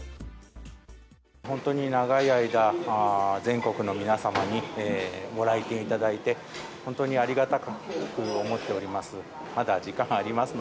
本当に長い間、全国の皆様にご来店いただいて、本当にありがたく思っております。